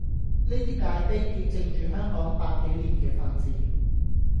呢啲界碑見證住香港百幾年嘅發展